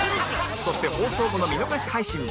そして放送後の見逃し配信も